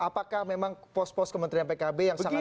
apakah memang pos pos kementerian pkb yang sangat